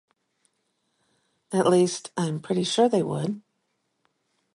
At least, I'm pretty sure they would.